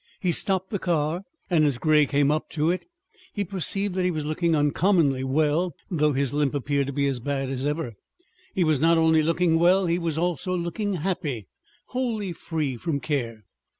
He stopped the car, and as Grey came up to it he perceived that he was looking uncommonly well, though his limp appeared to be as bad as ever. He was not only looking well, he was also looking happy, wholly free from care.